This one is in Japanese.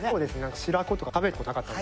白子とか食べたことなかったんで。